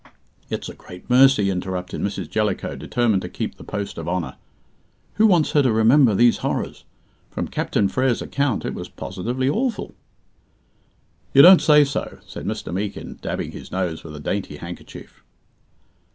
"It's a great mercy!" interrupted Mrs. Jellicoe, determined to keep the post of honour. "Who wants her to remember these horrors? From Captain Frere's account, it was positively awful!" "You don't say so!" said Mr. Meekin, dabbing his nose with a dainty handkerchief.